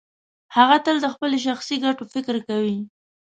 هغه تل د خپلو شخصي ګټو فکر کوي.